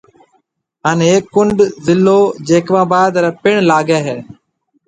ھان ھيَََڪ ڪُنڊ ضلع جيڪب آباد رَي پڻ لاگيَ ھيََََ